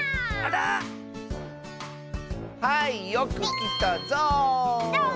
はいよくきたゾウ！